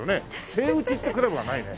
セイウチってクラブはないね。